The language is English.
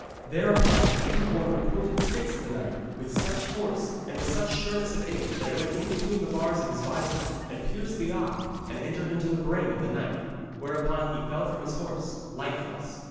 Thereupon he threw one of the pointed sticks at the knight, with such force and with such sureness of aim that it went in between the bars of his vizor and pierced the eye, and entered into the brain of the knight. Whereupon he fell from his horse lifeless.